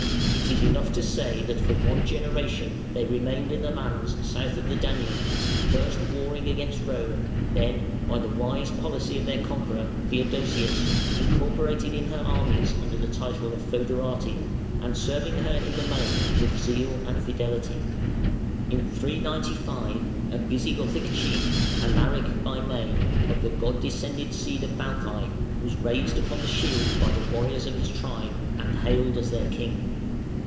It is enough to say that for one generation they remained in the lands south of the Danube, first warring against Rome, then, by the wise policy of their conqueror, Theodosius, incorporated in her armies under the title of fœderati and serving her in the main with zeal and fidelity. In 395 a Visigothic chief, Alaric by name, of the god descended seed of Balthæ, was raised upon the shield by the warriors of his tribe and hailed as their king.